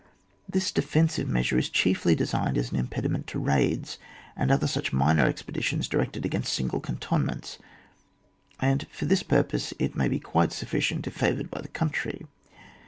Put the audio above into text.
This defensive measure is chiefly de« signed as an impediment to raids, and other such minor expeditions directed against single cantonments, and for this purpose it may be quite sufBciont if fa voured by the country.